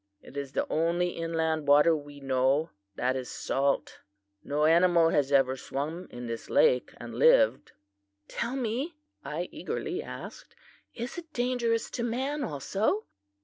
It is the only inland water we know that is salt. No animal has ever swum in this lake and lived." "Tell me," I eagerly asked, "is it dangerous to man also?"